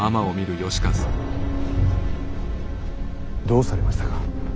どうされましたか。